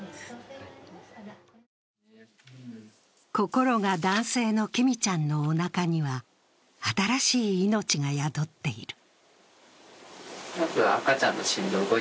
心が男性のきみちゃんのおなかには新しい命が宿っている。